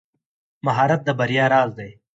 مهارت د بریا راز دی.